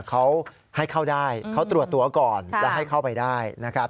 เขาให้เข้าได้เขาตรวจตัวก่อนแล้วให้เข้าไปได้นะครับ